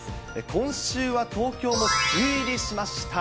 今週は東京も梅雨入りしました。